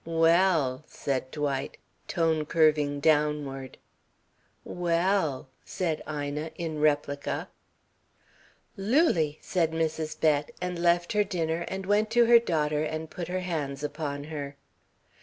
"Well!" said Dwight, tone curving downward. "Well!" said Ina, in replica. "Lulie!" said Mrs. Bett, and left her dinner, and went to her daughter and put her hands upon her.